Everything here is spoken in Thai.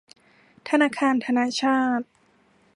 ธนาคารธนชาต